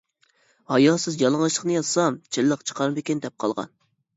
ھاياسىز يالىڭاچلىقنى يازسام چىنلىق چىقارمىكىن دەپ قالغان.